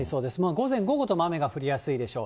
午前、午後とも雨が降りやすいでしょう。